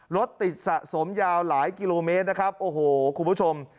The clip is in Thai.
รถติดสะสมยาวหลายกิโลเมตรนะครับโอ้โหคุณผู้ชม